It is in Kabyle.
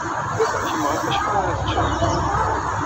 Kemm ɣef wacḥal ara teččeḍ?